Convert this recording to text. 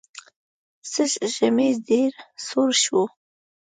سږ ژمی ډېر سوړ شو.